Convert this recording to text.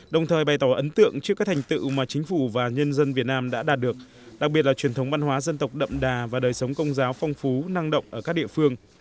đồng thời bày tỏ ấn tượng trước các thành tựu mà chính phủ và nhân dân việt nam đã đạt được đặc biệt là truyền thống văn hóa dân tộc đậm đà và đời sống công giáo phong phú năng động ở các địa phương